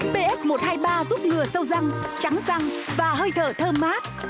bs một trăm hai mươi ba giúp ngừa sâu răng trắng răng và hơi thở thơm mát